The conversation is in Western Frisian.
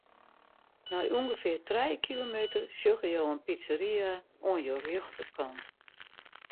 Nei ûngefear trije kilometer sjogge jo in pizzeria oan jo rjochterkant.